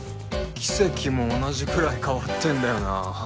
キセキも同じくらい変わってんだよな